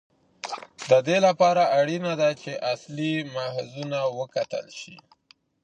د دې لپاره اړینه ده چې اصلي ماخذونه وکتل شي.